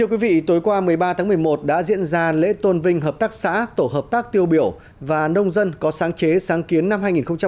tối qua một mươi ba tháng một mươi một đã diễn ra lễ tôn vinh hợp tác xã tổ hợp tác tiêu biểu và nông dân có sáng chế sáng kiến năm hai nghìn một mươi chín